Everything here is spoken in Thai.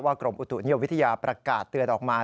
กรมอุตุนิยมวิทยาประกาศเตือนออกมา